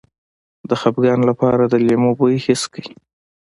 د خپګان لپاره د لیمو بوی حس کړئ